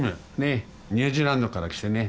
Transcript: ニュージーランドから来てね